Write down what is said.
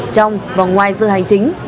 trong và ngoài dư hành chính